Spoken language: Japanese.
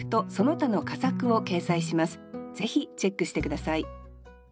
ぜひチェックして下さい。